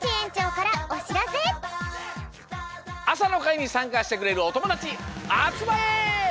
あさのかいにさんかしてくれるおともだちあつまれ！